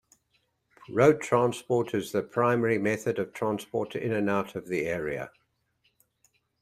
Road transport is the primary method of transport in and out of the area.